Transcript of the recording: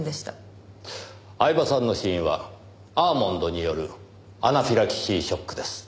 饗庭さんの死因はアーモンドによるアナフィラキシーショックです。